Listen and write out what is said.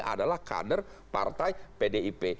adalah kader partai pdip